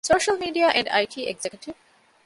ސޯޝަލްމީޑިއާ އެންޑް އައި.ޓީ އެގްޒެކެޓިވް